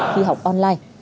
khi học online